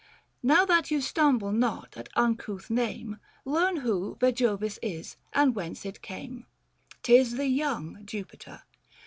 Now that you stumble not at uncouth name, 470 Learn w 7 ho Yejovis is, and whence it came. 'Tis the young Jupiter.